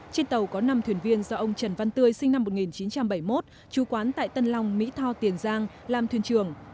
trên tàu có năm thuyền viên do ông trần văn tươi sinh năm một nghìn chín trăm bảy mươi một chú quán tại tân long mỹ tho tiền giang làm thuyền trưởng